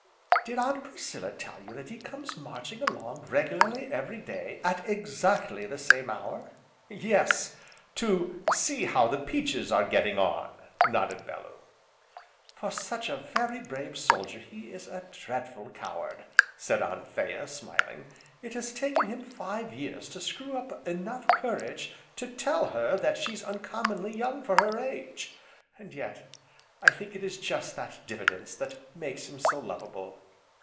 "Did Aunt Priscilla tell you that he comes marching along regularly every day, at exactly the same hour?" "Yes, to see how the peaches are getting on!" nodded Bellew. "For such a very brave soldier he is a dreadful coward," said Anthea, smiling, "it has taken him five years to screw up courage enough to tell her that she's uncommonly young for her age. And yet, I think it is just that diffidence that makes him so lovable.